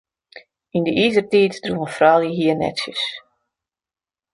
Yn de Izertiid droegen froulju hiernetsjes.